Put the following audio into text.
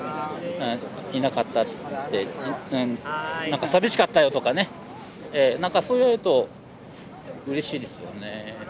「いなかった」って「寂しかったよ」とかねなんかそう言われるとうれしいですよね。